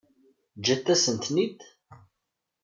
Ǧǧant-asent-ten-id?